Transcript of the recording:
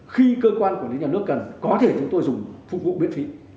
khi cơ quan quản lý nhà nước cần có thể chúng tôi dùng phục vụ miễn phí